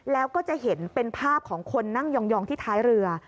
แล้วก็จะเห็นเป็นภาพของคนนั่งยองที่ท้ายเรือ